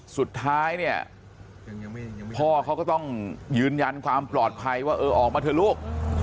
สุดท้ายเนี่ยพ่อเขาก็ต้องยืนยันความปลอดภัยว่าเออออกมาเถอะลูก